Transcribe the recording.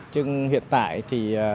chứ hiện tại thì